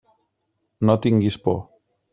No tinguis por.